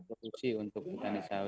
untuk hutan isawi